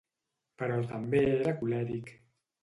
Però també era colèric.